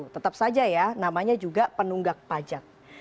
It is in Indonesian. tetap saja ya namanya juga penunggak pajak